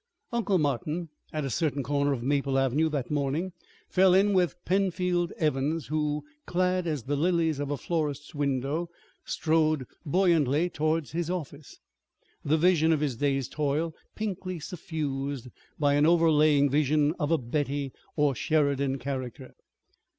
Uncle Martin at a certain corner of Maple Avenue that morning, fell in with Penfield Evans, who, clad as the lilies of a florist's window, strode buoyantly toward his office, the vision of his day's toil pinkly suffused by an overlaying vision of a Betty or Sheridan character.